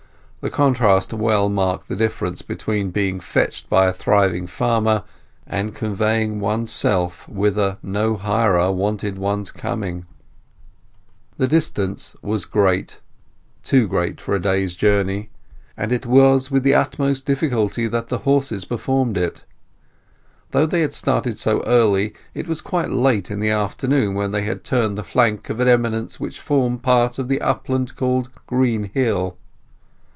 The contrast well marked the difference between being fetched by a thriving farmer and conveying oneself whither no hirer waited one's coming. The distance was great—too great for a day's journey—and it was with the utmost difficulty that the horses performed it. Though they had started so early, it was quite late in the afternoon when they turned the flank of an eminence which formed part of the upland called Greenhill.